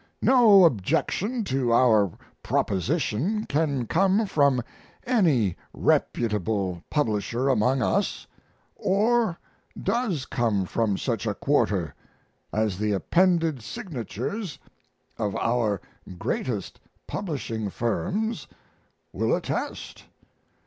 No objection to our proposition can come from any reputable publisher among us or does come from such a quarter, as the appended signatures of our greatest publishing firms will attest.